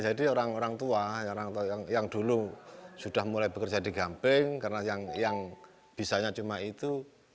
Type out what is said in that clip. jadi orang orang tua yang dulu sudah mulai bekerja di gamping karena yang bisanya cuma itu